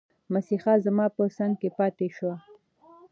مسیحا زما په څنګ کې پاتي شو.